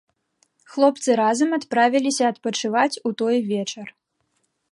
Хлопцы разам адправіліся адпачываць у той вечар.